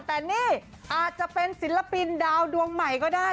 แต่นี่อาจจะเป็นศิลปินดาวดวงใหม่ก็ได้